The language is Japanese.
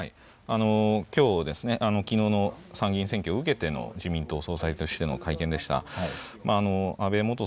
きょう、きのうの参議院選挙を受けての自民党総裁としての会見でした。